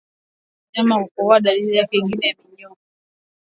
Mnyama kukohoa ni dalili nyingine ya ugonjwa wa minyoo